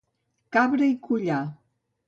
Cabra i collar.